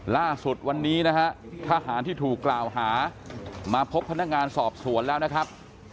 ล่าสุดวันนี้นะฮะทหารที่ถูกกล่าวหามาพบพนักงานสอบสวนแล้วนะครับ